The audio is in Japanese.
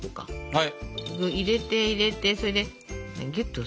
はい。